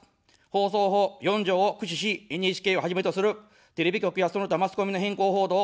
放送法４条を駆使し、ＮＨＫをはじめとするテレビ局や、その他マスコミの偏向報道をただす。